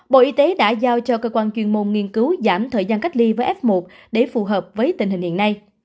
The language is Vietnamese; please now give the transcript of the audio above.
bộ y tế đã giao cho cơ quan chuyên môn nghiên cứu giảm thời gian cách ly với f một để phù hợp với tình hình hiện nay